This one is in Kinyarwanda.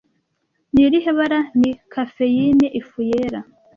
Ni irihe bara ni cafeyine Ifu yera